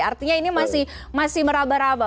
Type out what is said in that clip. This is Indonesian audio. artinya ini masih meraba raba